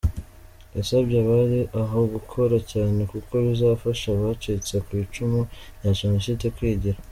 Yasabye abari aho gukora cyane kuko bizafasha abacitse ku icumu rya Jenoside kwigira.